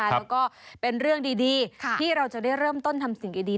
แล้วก็เป็นเรื่องดีที่เราจะได้เริ่มต้นทำสิ่งดี